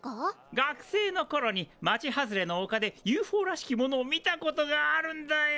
学生のころに町外れのおかでＵＦＯらしきものを見たことがあるんだよ。